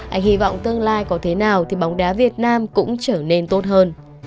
anh hy vọng tương lai có thế nào thì bóng đá việt nam cũng trở nên tốt hơn